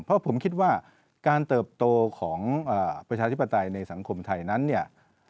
เพราะผมคิดว่าการเติบโตของประชาธิปไตยในสังคมไทยนั้นเนี่ย